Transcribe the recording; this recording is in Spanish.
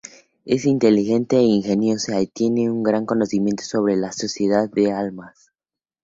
Es inteligente e ingeniosa y tiene un gran conocimiento sobre la Sociedad de Almas.